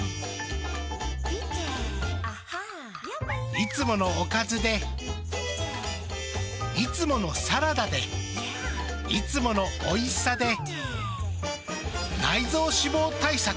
いつものおかずでいつものサラダでいつものおいしさで内臓脂肪対策。